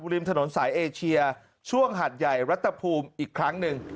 ริมถนนสายเอเชียช่วงหัดใหญ่รัฐภูมิอีกครั้งหนึ่ง